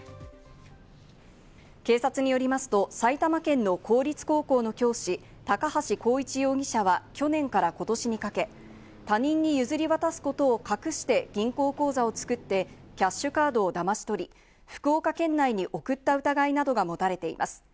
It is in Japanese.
警察によりますと、埼玉県の公立高校の教師・高橋幸一容疑者は去年から今年にかけ、他人に譲り渡すことを隠して銀行口座を作ってキャッシュカードをだまし取り、福岡県内に送った疑いなどが持たれています。